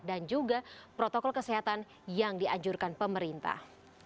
dan juga protokol kesehatan yang dianjurkan pemerintah